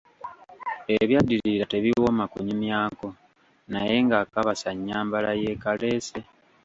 Ebyaddirira tebiwooma kunyumyako, naye ng‘akabasa nnyambala yeekaleese.